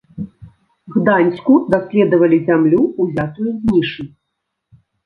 Гданьску даследавалі зямлю, узятую з нішы.